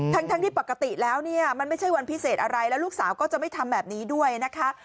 ทั้งที่ปกติแล้วเนี่ยมันไม่ใช่วันพิเศษอะไรแล้วลูกสาวก็จะไม่ทำแบบนี้ด้วยนะคะ